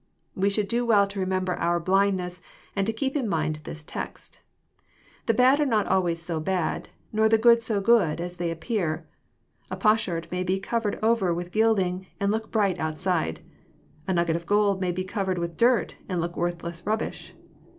We should do well to remember our blindness, and to keep in mind this text. The bad are not always so bad, nor the good so good as they appear.\ A potsherd may be covered over with gilding, and look bright outside. A nugget of gold may be covered with dirt, and look worthless rubbish.